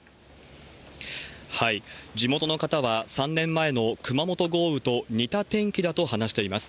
地元の方は、３年前の熊本豪雨と似た天気だと話しています。